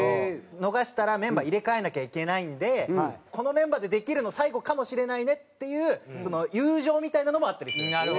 逃したらメンバー入れ替えなきゃいけないんでこのメンバーでできるの最後かもしれないねっていうその友情みたいなのもあったりするんですよ。